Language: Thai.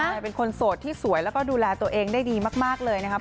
เป็นคนโสดที่สวยแล้วก็ดูแลตัวเองได้ดีมากเลยนะครับ